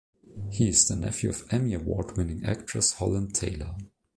He is the nephew of Emmy Award-winning actress Holland Taylor.